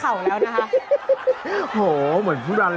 เอาล่ะครับ